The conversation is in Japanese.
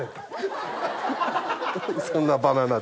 そんなバナナ！